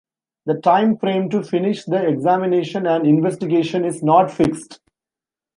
The time frame to finish the examination and investigation is not fixed.